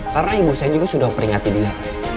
karena ibu saya juga sudah memperingati dia